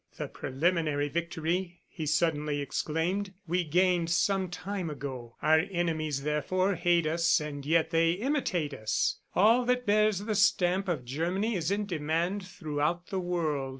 "The preliminary victory," he suddenly exclaimed, "we gained some time ago. Our enemies, therefore, hate us, and yet they imitate us. All that bears the stamp of Germany is in demand throughout the world.